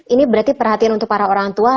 ini berarti perhatian untuk para orang tua